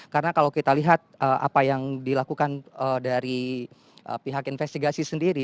karena kalau kita lihat apa yang dilakukan dari pihak investigasi sendiri